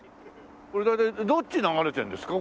これ大体どっち流れてるんですか？